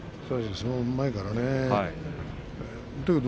相撲はうまいからね。